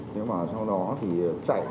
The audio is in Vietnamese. nếu mà sau đó thì chạy